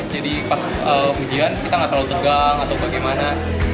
jadi pas ujian kita tidak terlalu tegang atau bagaimana